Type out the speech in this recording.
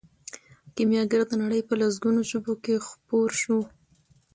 کیمیاګر د نړۍ په لسګونو ژبو کې خپور شو.